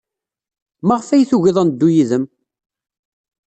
Maɣef ay tugiḍ ad neddu yid-m?